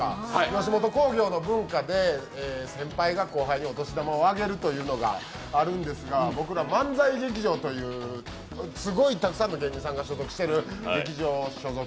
吉本興業の文化で、先輩が後輩にお年玉をあげるというのがあるんですが、僕ら漫才劇場というすごいたくさんの芸人さんが仕事してる劇場。